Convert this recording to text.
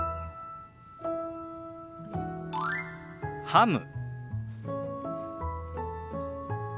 「ハム」。